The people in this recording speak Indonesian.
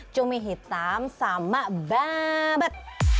cumi hitam sama babat